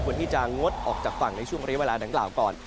ที่จะงดออกจากฝั่งในช่วงเรียกเวลาดังกล่าวก่อน